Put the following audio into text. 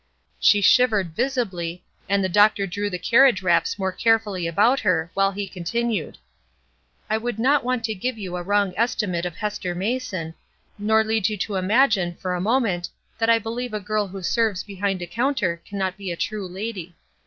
She shivered visibly, and the doctor drew the carriage wraps more carefully about her, while he continued: "I would not want to give you a wrong estimate of Hester Mason, nor lead you to imagine for a moment that I believe a girl who serves behind a counter cannot be a true lady.